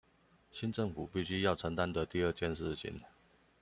新政府必須要承擔的第二件事情